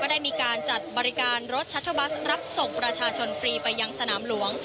ได้มีการจัดบริการรถชัตเทอร์บัสรับส่งประชาชนฟรีไปยังสนามหลวง